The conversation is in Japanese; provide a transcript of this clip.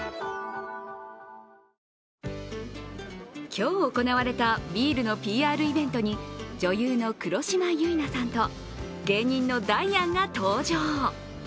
今日行われたビールのＰＲイベントに女優の黒島結菜さんと芸人のダイアンが登場。